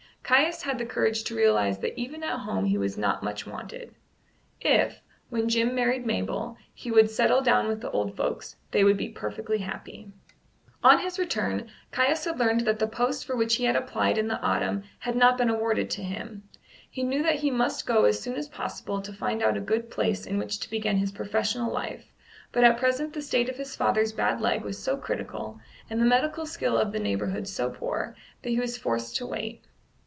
Caius had the courage to realize that even at home he was not much wanted. If, when Jim married Mabel, he would settle down with the old folks, they would be perfectly happy. On his return, Caius had learned that the post for which he had applied in the autumn had not been awarded to him. He knew that he must go as soon as possible to find out a good place in which to begin his professional life, but at present the state of his father's bad leg was so critical, and the medical skill of the neighbourhood so poor, that he was forced to wait.